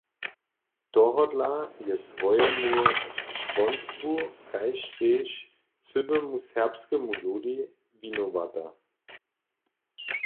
Tohodla je swojemu čłonstwu kaž tež cyłemu serbskemu ludej winowata.